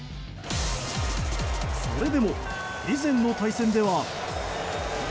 それでも以前の対戦では。